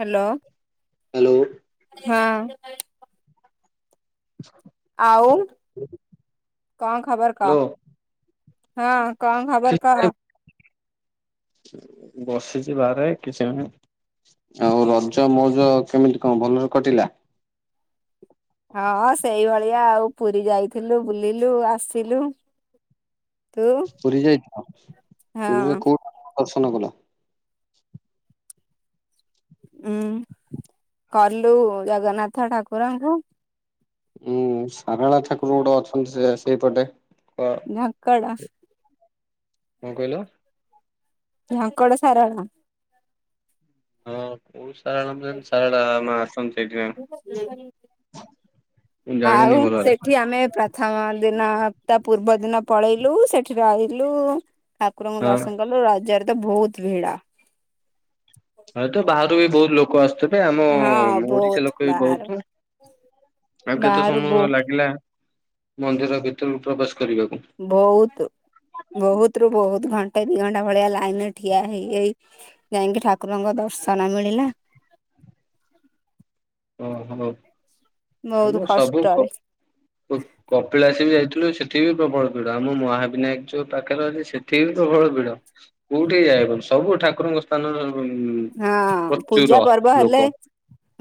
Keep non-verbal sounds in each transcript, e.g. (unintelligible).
Hello. Hello. ହଁ। ଆଉ କଣ ଖବର କହ? ହ୍ୟାଲୋ ହଁ କଣ ଖବର କିଛି କହ? ନାହିଁ ବସିଛି ବାହାରେ କିଛି ଆଉ ରଜ ମଉଜ କେମିତି କଣ ଭଲରେ କଟିଲା? ହଁ ସେଇଭଳିଆ ଆଉ ପୁରୀ ଯାଇଥିଲୁ ବୁଲିଲୁ ଆସିଲୁ। ତୁ? ପୁରୀ ଯାଇଥିଲ ହଁ ପୁରୀରେ କୋଉଠୁ ଦର୍ଶନ କଲ? ହୁଁ କଲୁ ଜଗନ୍ନାଥ ଠାକୁରଙ୍କୁ। ଉଁ ସାରଳା ଠାକୁର ଗୋଟେ ଅଛନ୍ତି ସେ ସେଇପଟେ। କ ଝଙ୍କଡ଼। କଣ କହିଲ ଝଙ୍କଡ ସାରଳା। ହଁ କୋଉ ସାରାଣ ସାର ମା ଆସନ୍ତି ସେଇଥିପାଇଁ। ହୁଁ। ମୁଁ ଜାଣିନି ଭଲରେ। କି ଆମେ ପ୍ରା ଥମ ଦିନ ତା ପୂର୍ବ ଦିନ ପଳେଇଲୁ ସେଠି ରହିଲୁ। ଠାକୁରଙ୍କୁ ହଁ ଦର୍ଶନ କଲୁ ରାଜରେ ତ ବହୁତ ଭିଡ। ହଁତ ବାହାରୁ ବି ବହୁତ ଲୋକ ଆସୁଥିବେ ଆମ ହଁ ଓଡିଶା ବହୁତ ଲୋକ ବି ବାହାରୁ ବହୁତ। ଆଉ କେତେ ବାହାରୁ ସମୟ ବହୁ ଲାଗିଲା ମନ୍ଦିର ଭିତରକୁ ପ୍ରବେଶ କରିବାକୁ? ବହୁତ ବହୁତ ରୁ ବହୁତ ଘଣ୍ଟା ଦି ଘଣ୍ଟା ଭଳିଆ ଲାଇନରେ ଠିଆ ହେଇ ହେଇ ଯାଇକି ଠାକୁରଙ୍କର ଦର୍ଶନ ମିଳିଲା। ଓହୋ ବହୁତ ମୁ ସବୁ କଷ୍ଟରେ କପିଳାସୀ ବି ଯାଇଥିଲୁ ସେଠି ବି ପ୍ରବଳ ପିଡ ଆମ ମହାବିନାୟକ ଯୋଉ ପାଖରେ ଅଛି ସେଠି ବି ପ୍ରବଳ ଭିଡ। କୋଉଠି ଯାଇ ହଉନି ସବୁ ଠାକୁରଙ୍କ ସ୍ଥାନର ହଁ ପୂଜା ପ୍ରଚୁର ପର୍ବ ହେଲେ ଲୋକ।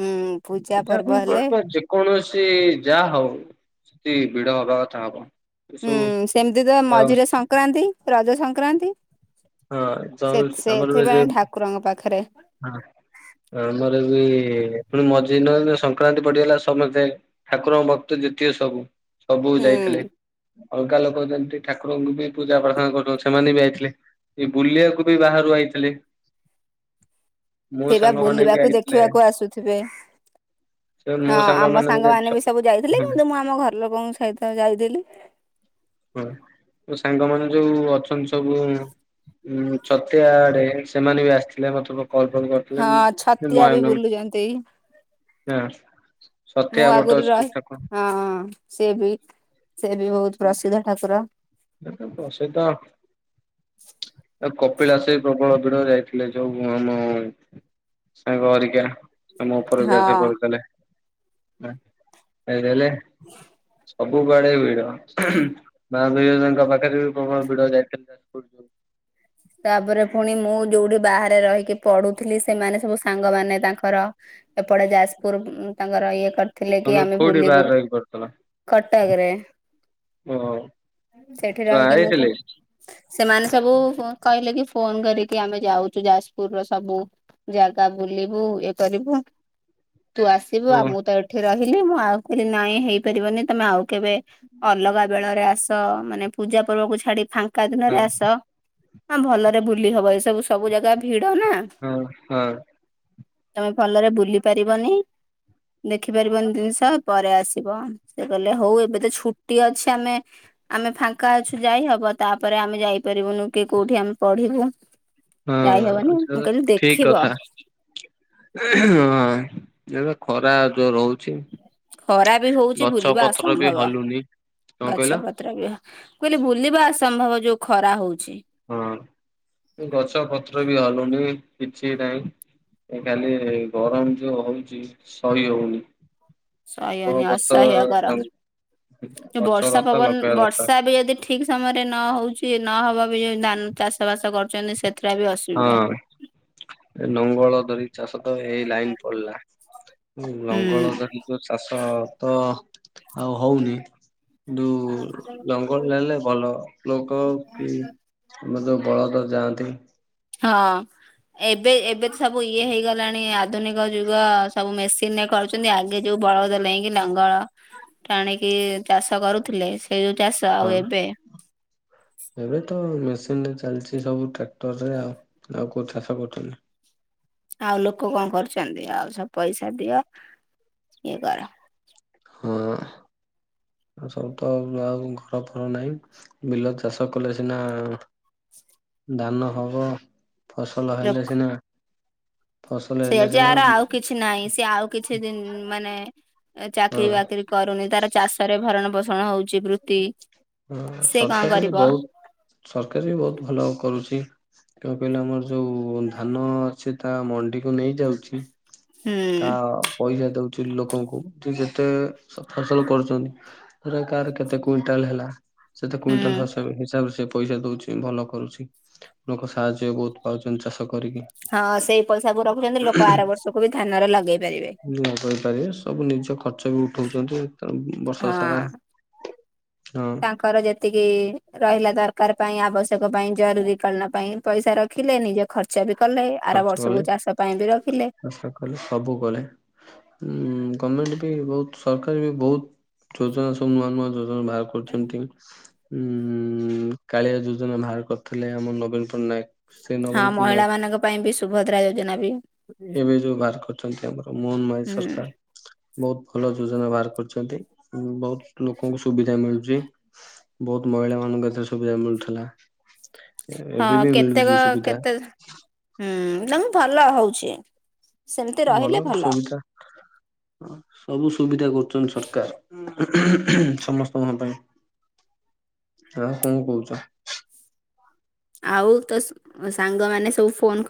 ହୁଁ ପୂଜା ପର୍ବ ହେଲେ। କୌଣସି ଯାହା ହଉ ସେଠି ଭିଡ ହବା କଥା ହବ। ହୁଁ ଏସବୁ ସେମିତି ତ ହଁ ମଝିରେ ସଂକ୍ରାନ୍ତି ରଜ ସଂକ୍ରାନ୍ତି। ଯଉ ସେ ଆମର ବି ଯେ ସେଥିପାଇଁ ଠାକୁରଙ୍କ ପାଖରେ। ହଁ ରଜ ରେ ବି ପୁଣି ମଝିରେ ସଂକ୍ରାନ୍ତି ପଡିଗଲା ସମସ୍ତେ। ଠାକୁରଙ୍କ ଭକ୍ତ ଯେତିକି ସବୁ। ସବୁ ହୁଁ ଯାଇଥିଲେ ଅଲଗା ଲୋକ ଯେମିତି ଠାକୁରଙ୍କୁ ବି ପୂଜା ପ୍ରାର୍ଥନା କରୁଛନ୍ତି ସେମାନେ ବି ଯାଇଥିଲେ। ଏ ବୁଲିବାକୁ ବି ବାହାରୁ ଆଇଥିଲେ। ମୋ ସେଇ ବା ସାଙ୍ଗମାନେ ବି ବୁଲିବାକୁ ଆଇଥିଲେ। ଦେଖିବାକୁ ଆସୁଥିବେ। ସେ ମୋ ହଁ ଆମ ସାଙ୍ଗମାନେ ସାଙ୍ଗ ମାନ ବି ସବୁ ଯାଇଥିଲେ କିନ୍ତୁ ମୁଁ ଆମ ଘର ଲୋକଙ୍କ ସହିତ ଯାଇଥିଲି। ହଁ ସାଙ୍ଗ ମାନ ଯୋଉ ଅଛନ୍ତି ସବୁ ଉଁ ଛତିଆଡେ ସେମାନେ ବି ଆସିଥିଲେ ମତେ। (unintelligible) ହଁ ଛତିଆ ବି ମୟୂରଭଞ୍ଜ ବୁଲୁଛନ୍ତି। ହଁ। ମୁଁ ଛତିଆ ବଟ ଆଗରୁ ଶ୍ରୀ ରହି ଠାକୁର ହଁ ସିଏ ବି ସିଏ ବି ବହୁତ ପ୍ରସିଦ୍ଧ ଠାକୁର। ସେଇତ ପ୍ରସିଦ୍ଧ। ଆଉ କପିଳାସ ଆସି ପ୍ରବଳ ଭିଡ ଯାଇଥିଲେ ଯୋଉ ମୁ ମୁ ସାଙ୍ଗ ଘରିକା। ଆମ ଉପର ବ୍ୟାଚ ହଁ। କରୁଥିଲେ ହଁ ଖାଇଦେଲେ। ସବୁ ବେଳେ ଭିଡ ମା ବିରଜା ଙ୍କ ପାଖରେ ବି ପ୍ରବଳ ଭିଡ଼ ଯାଇ। (unintelligible) ତାପରେ ଫୁଣି ମୁଁ ଯୋଉଠି ବାହାରେ ରହିକି ପଢୁଥିଲି ସେମାନେ ସବୁ ସାଙ୍ଗମାନେ ତାଙ୍କର ଏପଟେ ଯାଜପୁର ତାଙ୍କର ଇଏ କ ଥିଲେ କି ତମେ ଆମେ କୋଉଠି ବୁଲିବୁ ବାହାରେ ରହିକି ପଢୁଥିଲ? କଟକରେ। ଓହୋ ସେଠି ଛୁଆ ରହିକି ମୁଁ ଆଇଥିଲେ ସେମାନେ ସବୁ କହିଲେ କି ଫୋନ କରିକି ଆମେ ଯାଉଛୁ ଯାଜପୁରର ସବୁ ଜାଗା ବୁଲିବୁ ଇଏ କରିବୁ। ତୁ ଆସିବୁ ଓ ଆଉ ମୁଁ ତ ଏଠି ରହିଲି ମୁଁ ଆଉ କହିଲି ନାଇଁ ହେଇପାରିବନି ତମେ ଆଉ କେବେ ଅଲଗା ବେଳରେ ଆସ ମାନେ ପୂଜା ପର୍ବକୁ ଛାଡି ଫାଙ୍କା ହଁ ଦିନରେ ଆସ ହଁ ଭଲରେ ବୁଲି ହବ ଏସବୁ ସବୁ ଜାଗା ଭିଡ଼ ନା। ହଁ ହଁ। ତମେ ଭଲରେ ବୁଲି ପାରିବନି। ଦେଖି ପାରିବନି ଜିନିଷ ପରେ ଆସିବ। ସେ କହିଲେ ହଉ ଏବେ ତ ଛୁଟି ଅଛି ଆମେ ଆମେ ଫାଙ୍କା ଅଛୁ ଯାଇ ହବ ତାପରେ ଆମେ ଯାଇପାରିବୁନୁ କିଏ କୋଉଠି ଆମେ ପଢିବୁ ହଁ ଯାଇହବନି ସେଟା ମୁଁ ତ କହିଲି ଠିକ ଦେଖିବ। କଥା ହଁ ଏବେ ଖରା ଯୋର ହଉଛି। ଖରା ବି ହଉଛି ବୁଲିବା ବି ଅସମ୍ଭବ ହଲୁନି କଣ କହିଲ? ଗଛପତ୍ ତ୍ର ବି ହଁ କହିଲି ବୁଲିବା ଅସମ୍ଭବ ଯୋଉ ଖରା ହଉଛି। ହଁ ଗଛପତ୍ର ବି ହଲୁନି କିଛି ନାହିଁ। ଏ ଖାଲି ଗରମ ଯୋଉ ହଉଛି ସହି ହଉନି। ସହି କଣ ହଉନି ଗଛ ଅସହ୍ୟ ଗରମ ଯୋଉ ଗଛ ବର୍ଷା ଲତା ଲଗେଇବା ପବନ ଦରକାର ବର୍ଷା ବି ଯଦି ଠିକ ସମୟରେ ନ ହଉଛି ନହବ ବି ଯୋଉ ଧାନ ଚାଷ ବାସ କରୁଛନ୍ତି ସେ ହଁ ଲଙ୍ଗଳ ଧରି ଚାଷ ତ ଏଇ ଲାଇନ୍ ପଳେଇଲା। ଲଙ୍ଗଳ ଧରି ଯୋଉ ଚାଷ ତ ଆଉ ହଉନି। କିନ୍ତୁ ଲଙ୍ଗଲ ହୁଁ ଟାଣିଲେ ଭଲ ଲୋକ କି ଆଉ ଯୋଉ ବଳଦ ଯାଆନ୍ତି ହଁ। ଏବେ ଏବେ ତ ସବୁ ଇଏ ହେଇଗଲାଣି ଆଧୁନିକ ଯୁଗ ସବୁ ମେସିନରେ କରୁ ଛନ୍ତି ଆଗେ ଯୋଉ ବଳଦ ନେଇକି ଲଙ୍ଗଳ ଟାଣିକି ଚାଷ କରୁଥିଲେ ସେ ଯୋଉ ଚାଷ ଆଉ ହଁ ଏବେ ଏବେ ତ ମେସିନରେ ଚାଲିଛି ସବୁ ଟ୍ରାକ୍ଟରରେ ଆଉ ଆଉ କୋଉ ଚାଷ କରୁଛନ୍ତି। ଆଉ ଲୋକ କଣ କରୁଛନ୍ତି ଆଉ ସବୁ ପଇସା ଦିଅ ଇଏ କର। ହଁ ସବୁ ତ ଆଉ ଘର ଫର ନାହିଁ। ବିଲ ଚାଷ କଲେ ସିନା ଧାନ ହବ। ଫସଲ ଲୋକ ହେଲେ ସିନା ଫସଲ ହେଲେ ସିନା ନାଇଁ ସିଏ ଆଉ କିଛି ମାନେ ହଁ ଚାକିରି ବାକିରି କରୁନି ତାର ଚାଷରେ ଭରଣ ପୋଷଣ ହଉଛି ବୃତ୍ତି ହଁ ସେ କଣ ସରକାର ବି କରିବ ବହୁତ ସରକାର ବି ବହୁତ ଭଲ କରୁଛି। କଣ କହିଲେ ଆମର ଯୋଉ ଧାନ ଅଛି ତା ମଣ୍ଡିକୁ ନେଇଯାଉଛି ହୁଁ ତା ପଇସା ଦଉଛି ଲୋକଙ୍କୁ ଯେ ଯେତେ ଫସଲ କରୁଛନ୍ତି। କାହାର କେତେ କୁଇଣ୍ଟାଲ ହେଲା ସେତେ ହୁଁ କୁଇଣ୍ଟାଲ ହସାବ ହିସାବରେ ସେ ପଇସା ଦଉଛି। ଭଲ କରୁଛି ଲୋକ ସାହାଯ୍ୟ ବହୁତ ପାଉଛନ୍ତି ଚାଷ କରିକି। ହଁ ସେଇ ପଇସାକୁ ରଖୁଛନ୍ତି ଲୋକ ଆର ବର୍ଷକୁ ବି ଧାନରେ ଲଗେଇ ପାରିବେ। (unintelligible) ସବୁ ନିଜ ଖର୍ଚ୍ଚ ବି ଉଠୋଉଚନ୍ତି ତ ବର୍ଷ ସାରା ହଁ। ହଁ। ତାଙ୍କର ଯେତିକି ରହିଲା ଦର୍ କାର ପାଇଁ ଆବଶ୍ୟକ ପାଇଁ ଜରୁରୀକାଳୀନ ପାଇଁ ପଇସା ରଖିଲେ ନିଜ ଖର୍ଚ୍ଚ ବି କଲେ ଆର ଖର୍ଚ୍ଚ କଲେ ବର୍ଷକୁ ଚାଷ ପାଇଁ ବି ରଖିଲେ। ଚାଷ କଲେ ସବୁ ଗଲେ। ହୁଁ ଗମେଣ୍ଟ ବି ବୋହୁତ ସରକାର ବି ବୋହୁତ ଯୋଜନା ସବୁ ନୂଆ ନୂଆ ଯୋ ଭାର କରୁଚନ୍ତି। ଉଁହୁଁ କାଳିଆ ଯୋଜନା ବାହାର କରିଥିଲେ ଆମ ନବୀନ ପଟ୍ଟନାୟକ। ସେ ହଁ ନବୀନ ପଟ୍ଟନାୟକ ମହିଳା ମାନଙ୍କ ପାଇଁ ବି ସୁଭଦ୍ରା ଯୋଜନା ବି। ଏବେ ଯୋଉ ବାହାର କରଚନ୍ତି ଆମର ମୋହନ ମାଝୀ ହୁଁ ସରକାର। ବୋହୁତ ଭଲ ଯୋଜନା ବାହାର କରଚନ୍ତି ବୋହୁତ ଲୋକଙ୍କୁ ସୁବିଧା ମିଳୁଚି। ବୋହୁତ ମହିଳାମାନଙ୍କୁ ଏଥିରେ ସୁବିଧା ମିଳୁଥିଲା। ହଁ ଏବେ ବି ମିଳୁଛି କେତେକ ସୁବିଧା କେତେ ହୁଁ ତାଙ୍କୁ ଭଲ ହୋଉଛି। ଭଲ ସୁବିଧା ଅଁ ସବୁ ସୁବିଧା କରୁଚନ୍ତି ସରକାର। ସମସ୍ତଙ୍କ ପାଇଁ ଆଉ କଣ କହୁଚ? ଆଉ ତୋ ସ୍-ସାଙ୍ଗମାନେ ସବୁ ଫୋନ୍ କ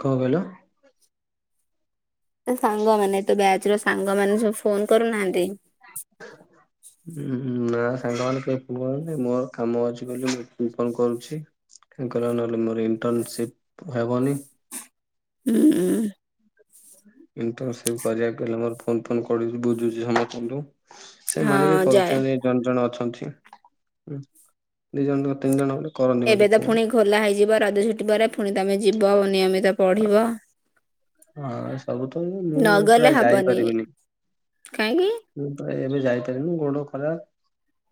କଣ କହିଲ? ତୋ ସାଙ୍ଗମାନେ ତୋ ବ୍ୟାଚର ସାଙ୍ଗମାନେ ସବୁ ଫୋନ କରୁନାହାନ୍ତି? ହଁ ଉଁ ନା ସାଙ୍ଗମାନେ କେହି ଫୋ କରୁନାହାନ୍ତି ମୁଁ ଆଉ କାମ ଅଛି ବୋଲି ମୁଁ ଫୋନ୍ କରୁଛି। ତାଙ୍କର ନହଲେ ମୋର ଇଣ୍ଟର୍ନସିପ୍ ହବନି। ହୁଁଁ। ଇଣ୍ଟର୍ନସିପ୍ କରିବାକୁ ହେଲେ ମୋର ଫୋନ ଫୋନ କରୁଚି ବୁଝୁଚି ସମସ୍ତଙ୍କଠୁ। ହଁ ସେମାନେ ବି ଯାଏ କରୁଚନ୍ତି। ଜଣେ ଜଣେ ଅଛନ୍ତି ଉଁ ଦିଜଣ ନୁହଁ ତିନି ଜଣ ବୋଲି ଏବେ ତ ଫୁଣି ଖୋଲା ହେଇଯିବ ରଜ ଛୁଟି ପରେ ଫୁଣି ତମେ ଯିବ ନିୟମିତ ପଢିବ। ହଁ ସବୁ ତ ମୁଁ ମୁଁ ନଗଲେ ପ୍ରାୟ ହବନି ଯାଇପାରିବିନି। କାହିଁକି? ମୁଁ ପା ଏବେ ଯାଇପାରିବିନି ଗୋଡ ଖରାପ୍।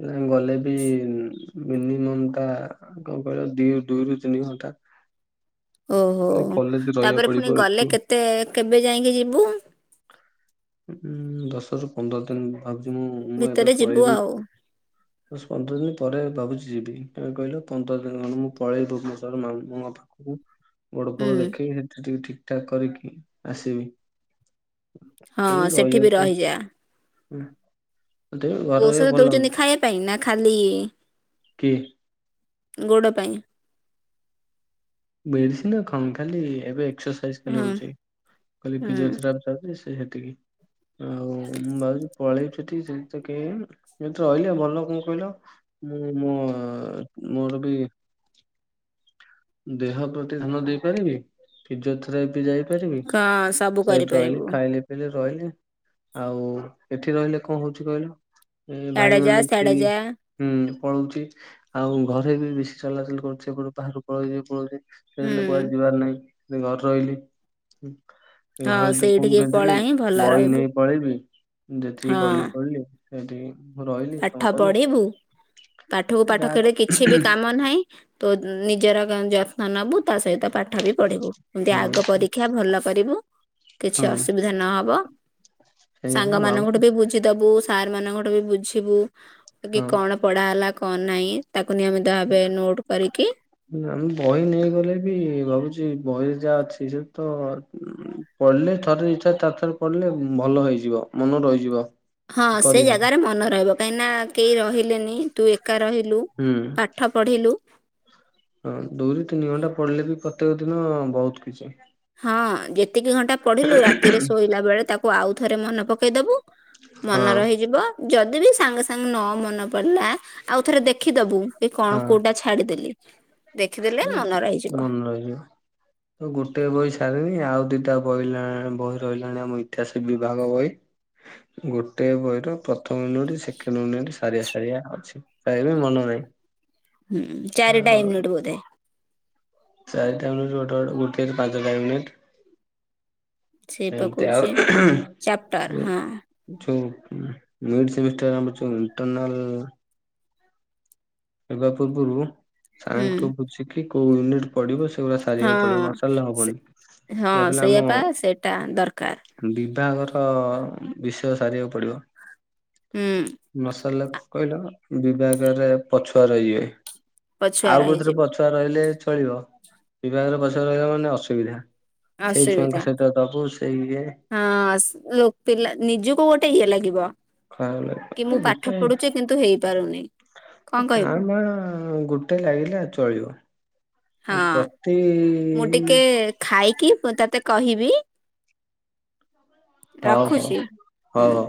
ଏନା ଗଲେ ବି ମିନିମମଟା ଆଉ କଣ କହିଲ ଦିଇ ଦୁଇରୁ ତିନି ଘଣ୍ଟା। ଓହୋ କଲେଜ ରହିବାକୁ ତାପରେ ପଡିବ ଫୁଣି ଏଠୁ ଗଲେ କେତେ କେବେ ଯାଇଁକି ଯିବୁ? ଉଁ ଦଶରୁ ପନ୍ଦର ଦିନ ଭାବୁଚି ମୁଁ ମୁଁ ଏବେ ଭିତରେ ଯିବୁ ପଳେଇବି। ଆଉ ଦଶ ପନ୍ଦର ଦିନ ପରେ ଭାବୁଚି ଯିବି କାଇଁ କହିଲ ପନ୍ଦର ଦିନ ଖଣ୍ଡେ ମୁଁ ପଳେଇଲି ଭୁବନେଶ୍ବର ମାଆ ମୋ ବାପା କୁ ବଡ ହୁଁ ଫଡ ଦେଖଇବି ଯେତି ଟିକେ ଠିକ ଠାକ୍ କରିକି ଆସିବି। ହଁ ମତେ ବି ସେଠି ରହିବାକୁ ରହିଯା ଉଁ ମତେ ବି ଘରେ ଔଷଧ ରହିବାକୁ ଭଲ ଲାଗୁନି। ଦଉଛନ୍ତି ଖାଇବା ପାଇଁ ନା ଖାଲି କିଏ? ଗୋଡ ପାଇଁ? ମେଡିସିନ ଆଉ କଣ ଖାଲି ଏବେ ଏକ୍ସରସାଇଜ ଖାଲି ହଁ ହୋଉଚି ଖାଲି ହୁଁ ଫିଜିଓଥେରା ପି ସେ ହେତିକି। ଆଉ ମୁଁ ଭାବୁଚି ପଳେଇବି ସେଠିକି ସେଠି କେ ଏଠି ରହିଲି ଭଲ କଣ କହିଲ ମୁଁ ମୋ ମୋର ବି ଦେହ ପ୍ରତି ଧ୍ୟାନ ଦେଇପାରିବି ଫିଜିଓଥେରାପି ଯାଇ ପାରିବି ହଁ ସବୁ ସେଇଠି ରହିଲି କରିପାରିବୁ ଖାଇଲି ଲି ରହିଲେ ଆଉ ଏଠି ରହିଲେ କଣ ହୋଉଚି କହିଲ ଏ ଇଆଡେ ଯା ଭାଇମାନେ କି ସିଆଡେ ଯା ହୁଁ ପଳୋଉଚି ଆଉ ଘରେ ବି ବେଶୀ ଚଲାଚଲି କରୁଚି ଏପଟୁ ବାହାରୁକୁ ପଳୋଉଚି ପଳୋଉଚି। ସେଠି ହୁଁ ହେଲେ କୁଆଡେ ଯିବାର ନାହିଁ ସେ ଘରେ ରହିଲି। ସେ ହଁ ଘରେ ଫୋନ୍ ସେଇଠିକି ପଳା କରିଥିଲି ହିଁ ଭଲ ବହି ରହିବୁ ନେଇ ପଳେଇବି ଯେତିକି ହଁ ପଢିଲି ପଢିଲି। ସେଠି ରହିଲି କଣ ପାଠ କଲି ପଢିବୁ ପାଠକୁ ପାଠ ଯାହା କ- କଲେ କିଛି ବି କାମ ନାହିଁ। ତ ନିଜର ଯତ୍ନ ନବୁ ତା ସହିତ ପାଠ ବି ପଢିବୁ ଏମତି ହଁ ଆଗ ପରୀ। ଦେ୍ା ଭଲକରିବୁ। କିଛି ହଁ ଅସୁବିଧା ନହବ ସେଇଆ ସାଙ୍ଗ ମୁଁ ମାନଙ୍କଠୁ ଭାବୁଛି ବି ବୁଝି ଦବୁ। ସାର୍ ମାନଙ୍କଠୁ ବି ବୁଝିବୁ କି ହଁ କଣ ପଢା ହେଲା କଣ ନାହିଁ ତାକୁ ନେଇମ ତାବେ ନୋଟ୍ କରିକି ଆମେ ବହି ନେଇଗଲେ ବି ଭାବୁଛି ବହିରେ ଯାହା ଅଛି ସେ ତ ପଢିଲେ ଥରେ ଦି ଥରେ ଚାରି ଥର ପଡିଲେ ଭଲ ହେଇଯିବ ମନ ରହିଯିବ। ହଁ ସେ କରିହବ ଜାଗାରେ ମନେ ରହିବ କାହିଁକି ନା କେହି ରହିଲେନି ତୁ ଏକା ରହିଲୁ ହୁଁ ପାଠ ପଢ଼ିଲୁ। ହଁ, ଦୁଇ ରୁ ତିନି ଘଣ୍ଟା ପଡିଲେ ବି ପ୍ରତ୍ୟେକ ଦିନ ବହୁତ କିଛି। ହଁ, ଯେତିକି ଘଣ୍ଟା ପଢିଲୁ ରାତିରେ ଶୋଇଲା ବେଳେ ତାକୁ ଆଉ ଥରେ ମନେ ପକେଇଦବୁ। ହଁ ମନ ରହିଯିବ। ଯଦି ବି ସାଙ୍ଗେ ସାଙ୍ଗେ ନ ମନେ ପଡିଲା ଆଉ ଥରେ ଦେଖିଦବୁ କି କଣ ହଁ କୋଉଟା? ଛାଡ଼ିଦେଲି ଦେଖିଦେଲେ ମନ ରହିଯିବ। ମନେ ରହିଯିବ। ତ, ଗୋଟେ ବହି ସାରିନି, ଆଉ ଦିଟା ବହି, ବହି ରହିଲାଣି। ଆମ ଇତିହାସ ବିଭାଗ ବହି। ଗୋଟେ ବହି ର ପ୍ରଥମ ୟୁନିଟ୍, ସେକେଣ୍ଡ ୟୁନିଟ୍, ସାରିଆ ସାରିଆ ଅଛି। ତାବି ମନ ନାହିଁ। ହୁଁ, ଚାରି ଟା ଆଉ ୟୁନିଟ୍ ବୋଧେ। ଚାରିଟା ୟୁନିଟ୍, ଗୋଟେ, ଗୋଟେ, ଗୋଟେ ପାଞ୍ଚଟା ୟୁନିଟ୍। ସେ ଏମତି ଆଉ ପକଉଛି ଚାପ୍ଟର ହଁ ଯୋଉ, ମିଉଟ୍ ସେମିଷ୍ଟର ଆମର ଯୋଉ, ଇଣ୍ଟରନାଲ ହେବା ପୂର୍ବରୁ, ହୁଁ ସାରଙ୍କଠୁ ବୁଝିକି କୋଉ ୟୁନିଟ୍ ପଡିବ। ସେଗୁଡା ସାରିବାକୁ ପଡିବ। ହଁ। ନସାରିଲା ସେ ହବନି, ହଁ ଯାହା ଫଲେ ଆମ ସେଇଆପା ସେଇଟା ଦରକାର ବିଭାଗର, ବିଷୟ ସାରିବାକୁ ପଡିବ। ହୁଁ। ନସାରିଲା କହିଲ, ବିଭାଗରେ ପଛୁଆ ରଇଯିବେ। ପଛୁଆ ଆଉ କୋଉଥିରେ ରହିଯିବେ। ପଛୁଆ? ରହିଲେ ଚଳିବ। ବିଭାଗର, ପଛୁଆ ରହିଲା ମାନେ ଅସୁବିଧା। ସେଇ ଅସୁବିଧା ଛୁଆଙ୍କ ସହିତ ଦବୁ। ସେଇ ଇଏ, ହଁ। ପିଲା, ନିଜକୁ ଗୋଟେ ଇଏ ଲାଗିବ। ଖରାପ ଲାଗିବ। କି ମୁଁ ପାଠ ପଢୁଛି, କିନ୍ତୁ ହେଇପାରୁନି। କଣ କା କହିବୁ ଭାଁ ଗୋଟେ ଲାଗିଲା ଚଳିବ। ହଁ। ପ୍ରତି ମୁଁ ଟିକେ ଖାଇକି ମୁଁ ତତେ କହିବି। ହଉ ହଉ ରଖୁଛି। ହଉ ହଁ। ହଉ।